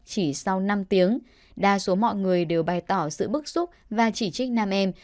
chỉ sau năm tiếng đa số mọi người đều bày tỏ sự bức xúc và chỉ trích nam em